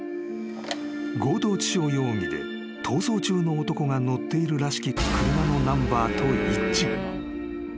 ［強盗致傷容疑で逃走中の男が乗っているらしき車のナンバーと一致］